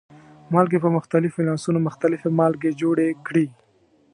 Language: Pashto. مالګې په مختلفو ولانسونو مختلفې مالګې جوړې کړي.